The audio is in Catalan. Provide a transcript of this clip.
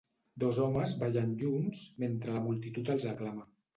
Dos homes ballen junts mentre la multitud els aclama